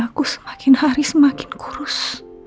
aku semakin hari semakin kurus